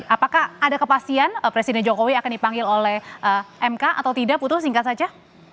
apakah ada kepastian presiden jokowi akan dipanggil oleh mk atau tidak putu singkat saja